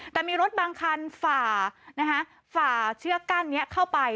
แต่มีรถบางคันฝ่าเชือกกั้นนี้เข้าไป